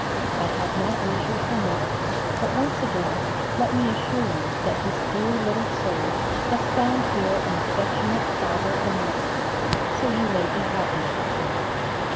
I have not leisure for more, but once again, let me assure you that this dear little soul has found here an affectionate Father and Mother, so you may be happy about her.